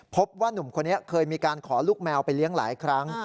พบว่านุ่มคนนี้เคยมีการขอลูกแมวไปเลี้ยงหลายครั้ง